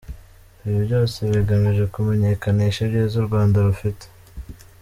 Ibi byose bigamije kumenyekanisha ibyiza u Rwanda rufite.